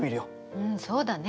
うんそうだね。